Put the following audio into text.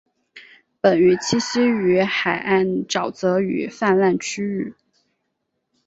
本鱼栖息于海岸沼泽与泛滥区域。